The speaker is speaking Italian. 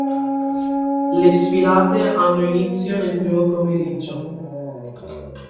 Le sfilate hanno inizio nel primo pomeriggio.